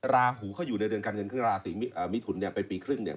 ราหูเข้าอยู่ในเรือนการเงินขึ้นราศีมิถุไปปีครึ่งเนี่ย